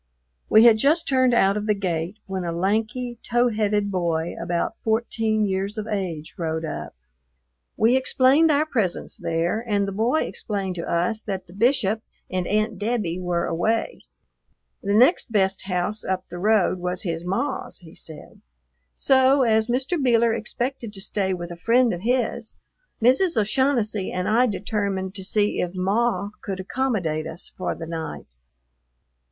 We had just turned out of the gate when a lanky, tow headed boy about fourteen years of age rode up. We explained our presence there, and the boy explained to us that the Bishop and Aunt Debbie were away. The next best house up the road was his "Maw's," he said; so, as Mr. Beeler expected to stay with a friend of his, Mrs. O'Shaughnessy and I determined to see if "Maw" could accommodate us for the night. Mr.